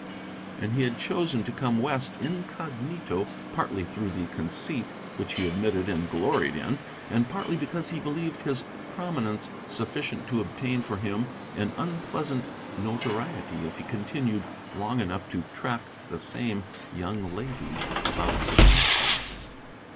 And he had chosen to come West incognito partly through the conceit which he admitted and gloried in, and partly because he believed his prominence sufficient to obtain for him an unpleasant notoriety if he continued long enough to track the same young lady about the country.